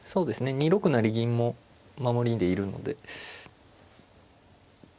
２六成銀も守りでいるので。